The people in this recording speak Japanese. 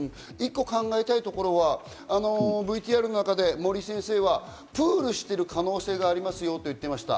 １個考えたいところはＶＴＲの中で森井先生はプールしている可能性がありますよと言ってました。